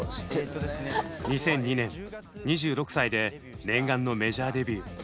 ２００２年２６歳で念願のメジャーデビュー。